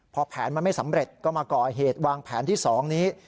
พอแผนมันไม่สำเร็จก็มาก่อเหตุวางแผนที่๒นี้